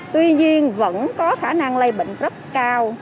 tuy nhiên vẫn có khả năng lây bệnh rất cao